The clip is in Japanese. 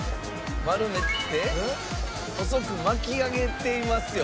丸めて細く巻き上げていますよ。